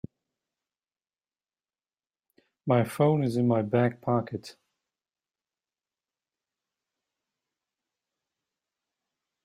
My phone is in my back pocket.